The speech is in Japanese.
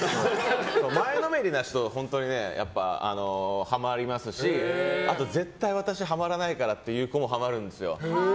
前のめりな人はハマりますし絶対私ハマらないからっていう子もハマるんですよ。